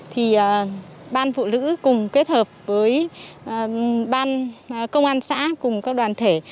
thì ban phụ nữ cùng kết hợp với ban công an xã cùng các đoàn thể